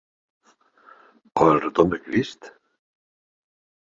O el retorn de Crist?